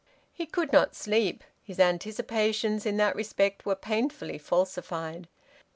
He could not sleep. His anticipations in that respect were painfully falsified.